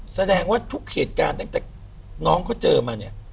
แสดงว่าทุกเหตุการณ์ตั้งแต่น้องเขาเจอมาเนี่ย